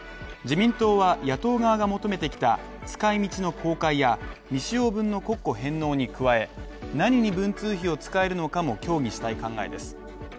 自民党は野党側が求めてきた使い道の公開や未使用分の国庫返納に加え何に文通費を使えるのかも協議したい考えです。